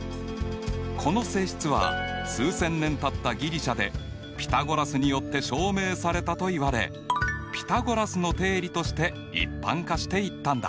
この性質は数千年たったギリシャでピタゴラスによって証明されたといわれピタゴラスの定理として一般化していったんだ。